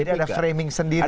jadi ada framing sendiri gitu